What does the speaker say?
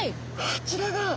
あちらが。